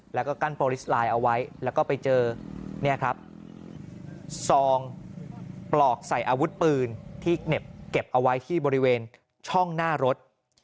แล้วก็กั้นโปรลิสไลน์เอาไว้แล้วก็ไปเจอเนี่ยครับซองปลอกใส่อาวุธปืนที่เก็บเอาไว้ที่บริเวณช่องหน้ารถ